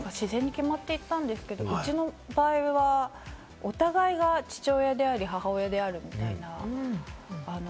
自然に決まっていったんですけれども、うちの場合は、お互いが父親であり、母親であるみたいな。